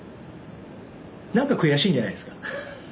なんか悔しいんじゃないですか。